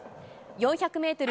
４００メートル